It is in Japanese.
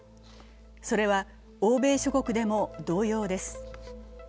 それは欧米諸国でも同様です。